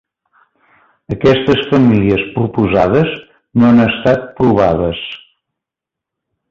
Aquestes famílies proposades no han estat provades.